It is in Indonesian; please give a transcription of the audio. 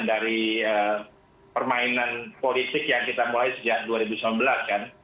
dari permainan politik yang kita mulai sejak dua ribu sembilan belas kan